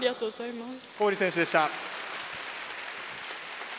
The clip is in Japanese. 小堀選手でした。